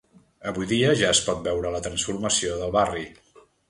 Avui dia ja es pot veure la transformació del barri.